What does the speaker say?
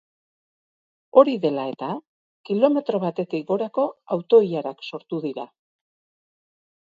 Hori dela eta, kilometro batetik gorako auto-ilarak sortu dira.